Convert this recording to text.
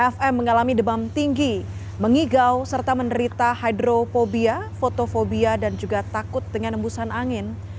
fm mengalami demam tinggi mengigau serta menderita hydrofobia fotofobia dan juga takut dengan embusan angin